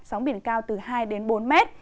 sóng biển cao từ hai bốn m